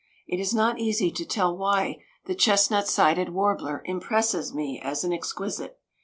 It is not easy to tell why the chestnut sided warbler impresses me as an exquisite.